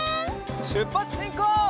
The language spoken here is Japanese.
しゅっぱつしんこう！